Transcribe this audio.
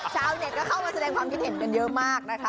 ชาวเน็ตก็เข้ามาแสดงความคิดเห็นกันเยอะมากนะคะ